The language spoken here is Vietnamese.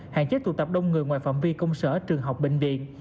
hạn chế tụ tập đông người ngoài phạm vi công sở trường học bệnh viện